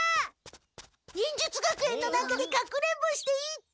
忍術学園の中で隠れんぼしていいって。